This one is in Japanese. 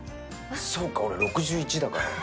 そうか、俺６１だから。